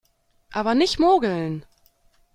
Aber nicht mogeln!